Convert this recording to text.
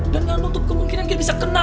dan dengan bentuk kemungkinan dia bisa kena